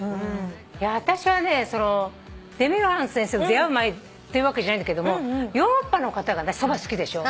私はねデミルハン先生と出会う前っていうわけじゃないんだけどヨーロッパの方が私そば好きでしょ。